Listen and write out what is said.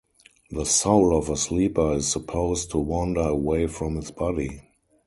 The soul of a sleeper is supposed to wander away from his body.